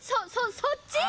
そっちか。